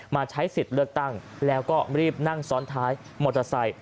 มาใช้สิทธิ์เลือกตั้งแล้วก็รีบนั่งซ้อนท้ายมอเตอร์ไซค์